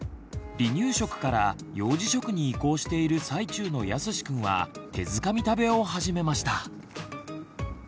離乳食から幼児食に移行している最中のやすしくんは手づかみ食べを始めました。